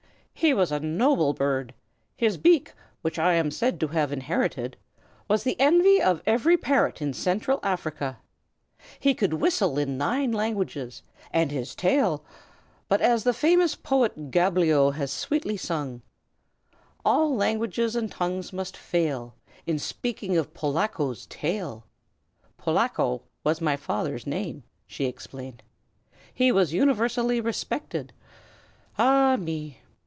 "He was a noble bird. His beak, which I am said to have inherited, was the envy of every parrot in Central Africa. He could whistle in nine languages, and his tail but as the famous poet Gabblio has sweetly sung, "'All languages and tongues must fail, In speaking of Polacko's tail.' "Polacko was my father's name," she explained. "He was universally respected. Ah, me!"